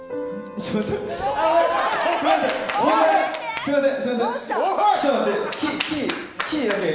すいません。